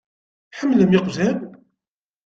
Tḥemmlem iqjan?